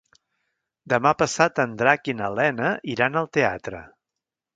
Demà passat en Drac i na Lena iran al teatre.